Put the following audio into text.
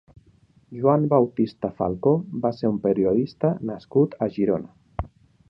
Juan Bautista Falcó va ser un periodista nascut a Girona.